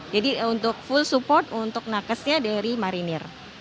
jadi untuk full support untuk nakesnya dari marinir